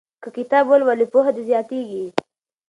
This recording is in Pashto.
که کتاب ولولې پوهه دې زیاتیږي.